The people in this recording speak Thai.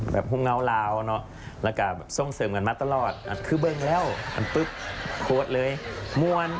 มันเห็นให้พวกเขานักแสดงมีความรู้สึกดี์ได้